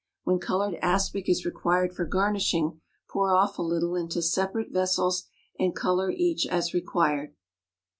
When colored aspic is required for garnishing, pour off a little into separate vessels, and color each as required.